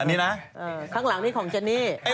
อันนี้นะข้างหลังนี่ของเจนี่